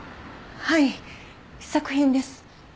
はい試作品です。